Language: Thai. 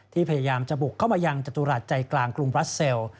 พยายามจะบุกเข้ามายังจตุรัสใจกลางกรุงบราเซล